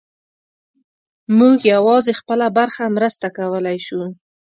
موږ یوازې خپله برخه مرسته کولی شو.